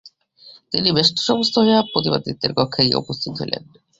তিনি ব্যস্তসমস্ত হইয়া প্রতাপাদিত্যের কক্ষে গিয়া উপস্থিত হইলেন।